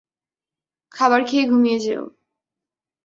খাবার খেয়ে ঘুমিয়ে যেয়ো।